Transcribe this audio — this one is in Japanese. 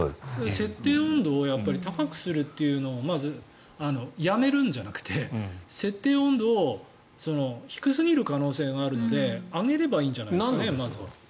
設定温度を高くするというのをやめるんじゃなくて設定温度を低すぎる可能性があるので上げればいいんじゃないですかね。